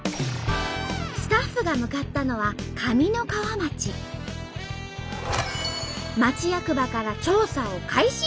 スタッフが向かったのは町役場から調査を開始。